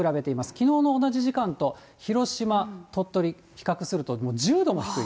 きのうの同じ時間と広島、鳥取、比較すると、もう１０度も低い。